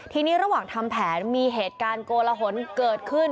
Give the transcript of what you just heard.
ทีนี้ระหว่างทำแผนมีเหตุการณ์โกลหนเกิดขึ้น